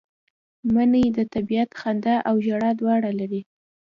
منی د طبیعت خندا او ژړا دواړه لري